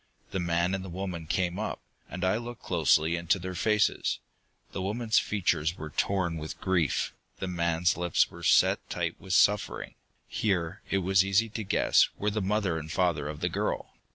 The man and the woman came up, and I looked closely into their faces. The woman's features were torn with grief; the man's lips were set tight with suffering. Here, it was easy to guess, were the mother and the father of the girl.